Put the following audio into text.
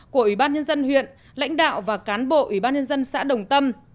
của ủy ban nhân dân huyện lãnh đạo và cán bộ ủy ban nhân dân xã đồng tâm